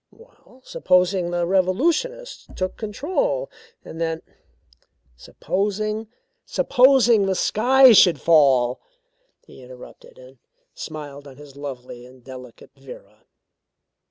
"Well, supposing the revolutionists took control, and then " "Supposing! Supposing the sky should fall," he interrupted, and smiled on his lovely and delicate Vera.